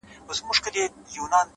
پوهه د سبا لپاره غوره تیاری دی!.